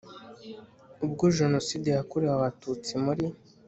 Ubwo Jenoside yakorewe Abatutsi muri